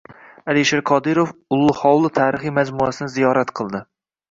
Alisher Qodirov “Ulli hovli” tarixiy majmuasini ziyorat qildi